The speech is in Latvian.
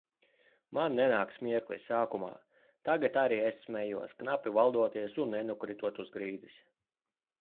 Man nenāk smiekli. Sākumā. Tagad arī es smejos, knapi valdoties un nenokrītot uz grīdas.